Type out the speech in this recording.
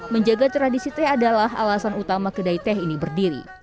menjaga tradisi teh adalah alasan utama kedai teh ini berdiri